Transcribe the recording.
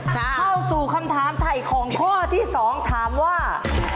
เข้าสู่คำถามถ่ายของข้อที่๒ถามว่า